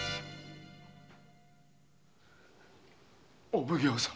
お奉行様。